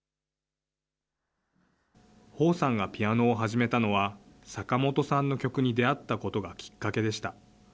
彭さんがピアノを始めたのは、坂本さんの曲に出会ったことがきっかけでした。